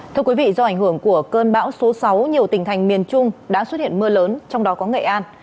thưa quý vị do ảnh hưởng của cơn bão số sáu nhiều tỉnh thành miền trung đã xuất hiện mưa lớn trong đó có nghệ an